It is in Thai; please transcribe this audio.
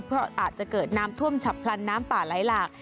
เพราะอาจจะเกิดน้ำท่วมฉับพลันน้ำป่าไหลหลาก